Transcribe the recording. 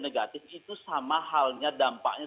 negatif itu sama halnya dampaknya